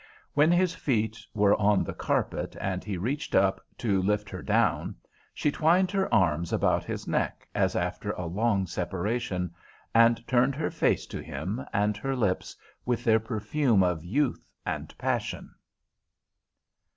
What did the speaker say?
When his feet were on the carpet and he reached up to lift her down, she twined her arms about his neck as after a long separation, and turned her face to him, and her lips, with their perfume of youth and passion.